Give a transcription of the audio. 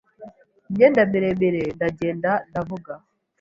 imyenda miremire, ndagenda ndavuga